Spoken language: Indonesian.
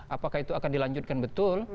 apakah itu akan dilanjutkan betul